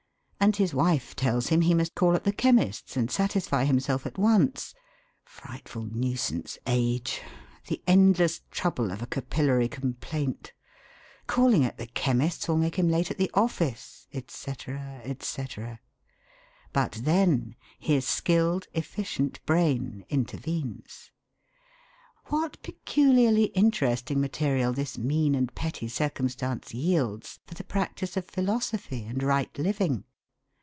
And his wife tells him he must call at the chemist's and satisfy himself at once. Frightful nuisance! Age! The endless trouble of a capillary complaint! Calling at the chemist's will make him late at the office! etc. etc. But then his skilled, efficient brain intervenes: 'What peculiarly interesting material this mean and petty circumstance yields for the practice of philosophy and right living!'